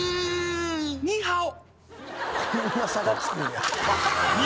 ニーハオ。